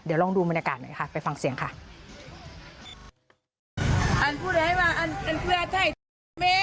คุณสุลินบอกว่ามีความผูกพันกับคุณนักศิลป์ทำให้ดีใจมาก